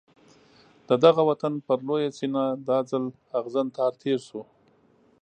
د دغه وطن پر لویه سینه دا ځل اغزن تار تېر شو.